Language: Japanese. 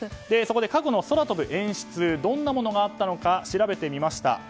そこで過去の空飛ぶ演出どんなものがあったのか調べてみました。